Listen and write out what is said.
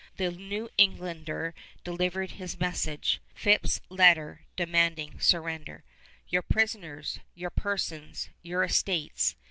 The New Englander delivered his message, Phips' letter demanding surrender: "_Your prisoners, your persons, your estates